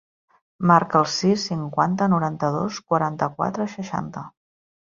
Marca el sis, cinquanta, noranta-dos, quaranta-quatre, seixanta.